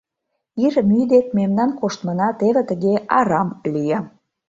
Ир мӱй дек мемнан коштмына теве тыге арам лие.